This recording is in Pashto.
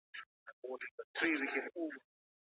عجیبو پوښتنو ته باید منطقي ځواب پیدا سي.